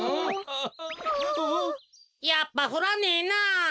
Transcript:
やっぱふらねえな。